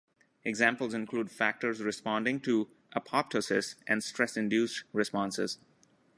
Examples include factors responding to apoptosis and stress-induced responses.